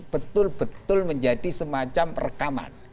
betul betul menjadi semacam rekaman